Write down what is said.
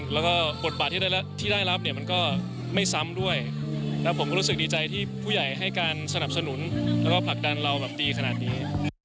แล้วก็บทบาทที่ได้รับก็ไม่ซ้ำด้วยแต่ผมก็รู้สึกดีใจที่ผู้ใหญ่ให้การสนับสนุนและผลักดันเราอย่างนี้